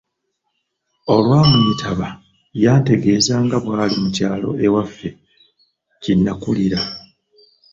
Olwamuyitaba yantegeeza nga bw'ali mu kyalo ewaffe gye nnakulira.